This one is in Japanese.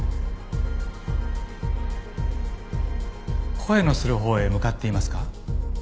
声のするほうへ向かっていますか？